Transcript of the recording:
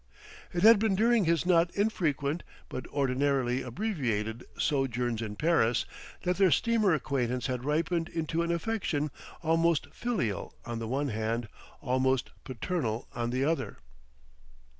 It had been during his not infrequent, but ordinarily abbreviated, sojourns in Paris that their steamer acquaintance had ripened into an affection almost filial on the one hand, almost paternal on the other....